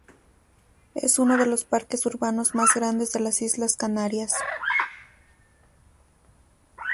Es uno de los parques urbanos más grandes de las Islas Canarias.